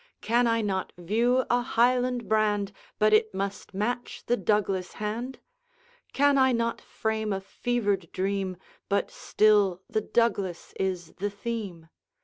Can I not view a Highland brand, But it must match the Douglas hand? Can I not frame a fevered dream, But still the Douglas is the theme?